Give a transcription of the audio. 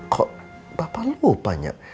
kok bapak lupanya